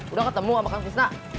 udah ketemu sama kang fisna